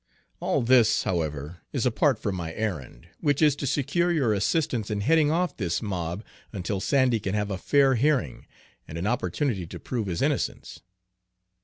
All this, however, is apart from my errand, which is to secure your assistance in heading off this mob until Sandy can have a fair hearing and an opportunity to prove his innocence."